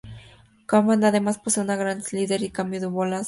Chapman además posee una gran slider y un cambio de bola aceptable.